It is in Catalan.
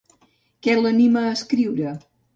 Què l'anima a escriure?